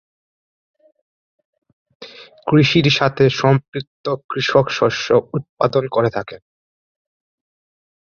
কৃষির সাথে সম্পৃক্ত কৃষক শস্য উৎপাদন করে থাকেন।